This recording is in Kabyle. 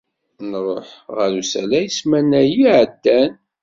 Nruḥ ɣer usalay ssmana-yi iɛeddan.